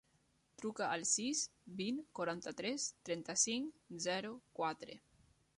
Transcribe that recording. Truca al sis, vint, quaranta-tres, trenta-cinc, zero, quatre.